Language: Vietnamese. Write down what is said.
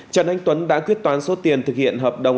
trần anh tuấn đã quyết toán số tiền thực hiện hợp đồng